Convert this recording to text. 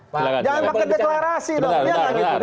jangan pakai deklarasi dong